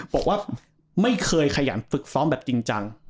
บอกว่าไม่เคยขยันฝึกซ้อมแบบจริงจัง